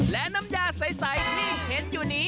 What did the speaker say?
และน้ำยาใสที่เห็นอยู่นี้